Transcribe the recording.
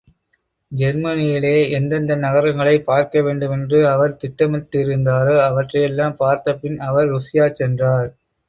ஜெர்மனியிலே எந்தெந்த நகரங்களைப் பார்க்க வேண்டுமென்று அவர் திட்டமிட்டிருந்தாரோ அவற்றையெல்லாம் பார்த்தபின்பு, அவர் ருஷ்யா சென்றார்.